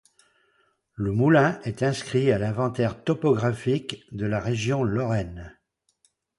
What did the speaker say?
Le moulin est inscrit à l’inventaire topographique de la région Lorraine.